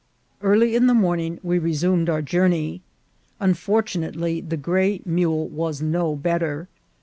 Early in the morning we resumed our journey. Un fortunately, the gray mule was no better.